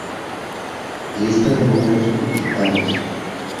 Lista de números publicados.